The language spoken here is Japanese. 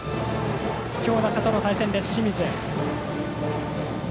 強打者との対戦です。